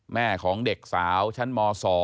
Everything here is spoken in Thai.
แม่ของเด็กสาวชั้นม๒